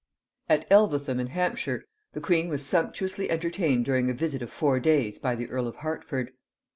At Elvetham in Hampshire the queen was sumptuously entertained during a visit of four days by the earl of Hertford.